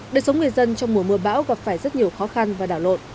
đời sống người dân trong mùa mưa bão gặp phải rất nhiều khó khăn và đảo lộn